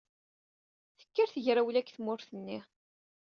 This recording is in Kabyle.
Tekker tegrawla deg tmurt-nni.